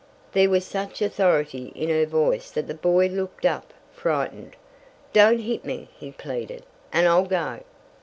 There was such authority in her voice that the boy looked up frightened. "Don't hit me," he pleaded, "and I'll go!"